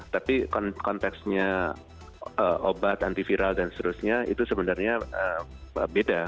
tapi konteksnya obat antiviral dan seterusnya itu sebenarnya beda